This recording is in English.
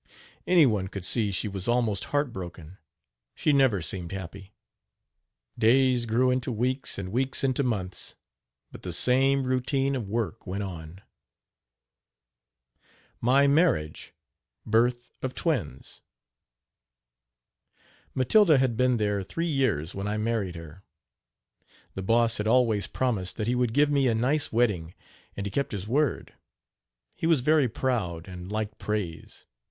Any one could see she was almost heart broken she never seemed happy. Days grew into weeks and weeks into months, but the same routine of work went on. MY MARRIAGE BIRTH OF TWINS. Matilda had been there three years when I married her. The Boss had always promised that he would give me a nice wedding, and he kept his word. He was very proud, and liked praise.